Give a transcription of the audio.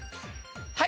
はい。